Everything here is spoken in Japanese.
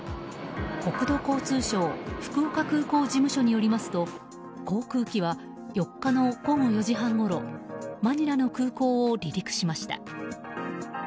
国土交通省福岡空港事務所によりますと航空機は４日の午後４時半ごろマニラの空港を離陸しました。